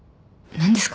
何ですか？